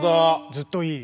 ずっといい。